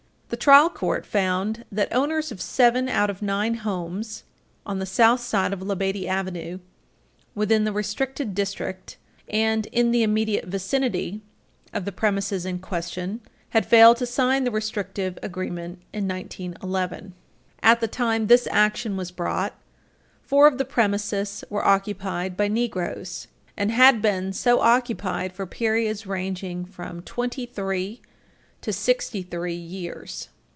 The trial court found that owners of seven out of nine homes on the south side of Labadie Avenue, within the restricted district and "in the immediate vicinity" of the premises in question, had failed to sign the restrictive agreement in 1911. At the time this action was brought, four of the premises were occupied by Negroes, and had been so occupied for periods ranging from twenty three to sixty three years.